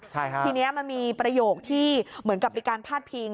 ทีนี้มันมีประโยคที่เหมือนกับมีการพาดพิง